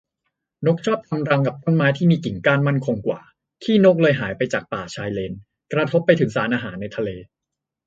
นกชอบทำรังกับต้นไม้ที่มีกิ่งก้านมั่นคงกว่า ขี้นกเลยหายไปจากป่าชายเลน กระทบไปถึงสารอาหารในทะเล